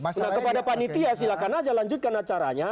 nah kepada panitia silakan aja lanjutkan acaranya